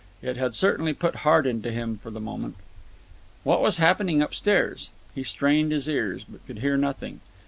It had certainly put heart into him for the moment. What was happening upstairs? He strained his ears, but could hear nothing.